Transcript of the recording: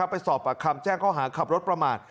ไปสอบปฐานแจ้งเขาหาขับรถประมาณ